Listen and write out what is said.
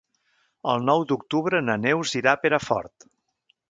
El nou d'octubre na Neus irà a Perafort.